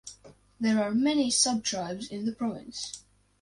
There are many sub-tribes in the province.